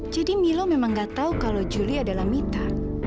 jadi milo memang gak tahu kalau julie adalah mita